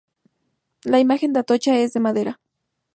La imagen de Atocha es de madera.